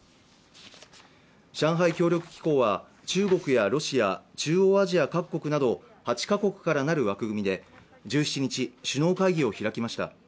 上海協力機構は中国やロシア、中央アジア各国など、８カ国から成る枠組みで１７日、首脳会議を開きました。